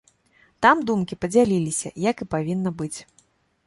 Там думкі падзяліліся, як і павінна быць.